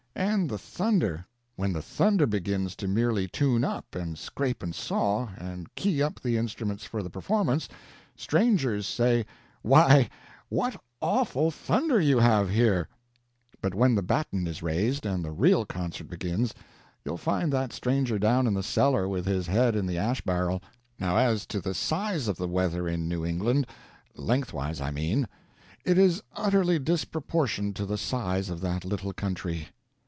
And the thunder. When the thunder begins to merely tune up and scrape and saw, and key up the instruments for the performance, strangers say, "Why, what awful thunder you have here!" But when the baton is raised and the real concert begins, you'll find that stranger down in the cellar with his head in the ash barrel. Now as to the size of the weather in New England lengthways, I mean. It is utterly disproportioned to the size of that little country.